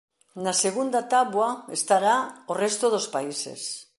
Na segunda táboa estará o resto dos países.